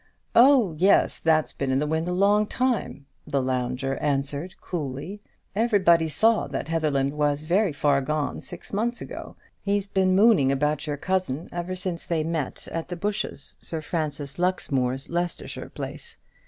"Oh, yes, that's been in the wind a long time," the lounger answered, coolly. "Everybody saw that Heatherland was very far gone six months ago. He's been mooning about your cousin ever since they met at The Bushes, Sir Francis Luxmoor's Leicestershire place.